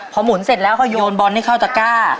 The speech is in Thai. พอหมุนเสร็จแล้วเขาโยนบอลให้เข้าตะก้า